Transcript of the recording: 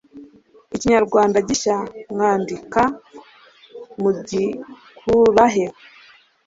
Ikinyarwanda gishya mwandi ka mugikura he